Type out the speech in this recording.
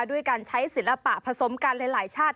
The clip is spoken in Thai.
ด้วยการใช้ศิลปะผสมกันหลายชาติ